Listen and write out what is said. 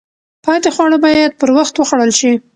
پاتې خواړه باید پر وخت وخوړل شي.